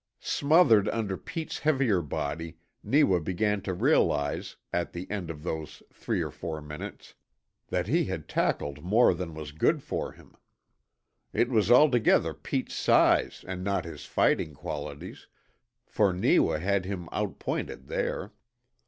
Smothered under Pete's heavier body Neewa began to realize, at the end of those three or four minutes, that he had tackled more than was good for him. It was altogether Pete's size and not his fighting qualities, for Neewa had him outpointed there.